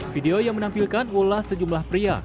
video yang menampilkan ulah sejumlah pria